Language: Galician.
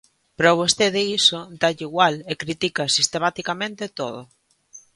Pero a vostede iso dálle igual e critica sistematicamente todo.